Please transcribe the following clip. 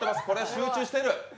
集中していく。